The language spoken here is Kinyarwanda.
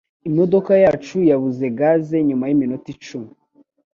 Imodoka yacu yabuze gaze nyuma yiminota icumi.